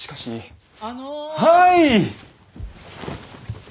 はい！